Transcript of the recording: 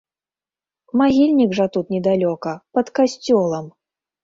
Магільнік жа тут недалёка, пад касцёлам.